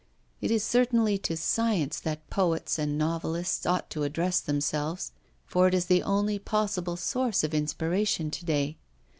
It is certainly to science that poets and novelists ought to address themselves, for it is the only possible source of inspiration to day.